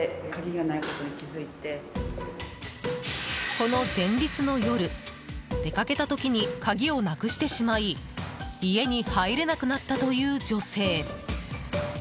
この前日の夜出かけた時に鍵をなくしてしまい家に入れなくなったという女性。